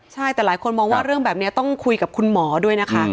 ใช่แต่หลายคนมองว่าเรื่องแบบนี้ต้องคุยกับคุณหมอด้วยนะคะ